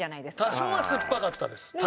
多少はすっぱかったです。